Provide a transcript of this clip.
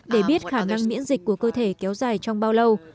để biết khả năng miễn dịch của cơ thể kéo dài trong vài năm